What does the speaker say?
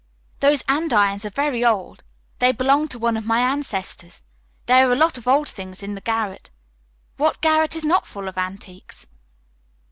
Those andirons are very old. They belonged to one of my ancestors. There are a lot of old things in the garret. What garret is not full of antiques?"